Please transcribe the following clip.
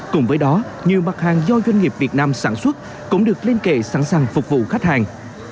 cùng với đó nhiều mặt hàng do doanh nghiệp việt nam sản xuất cũng được liên kệ sẵn sàng phục vụ khách hàng